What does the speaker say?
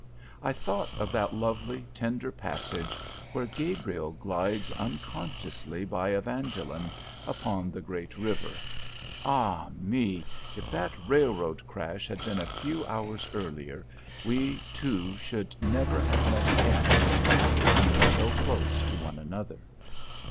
I thought of that lovely, tender passage where Gabriel glides unconsciously by Evangeline upon the great river. Ah, me! if that railroad crash had been a few hours earlier, we two should never have met again, after coming so close to each other!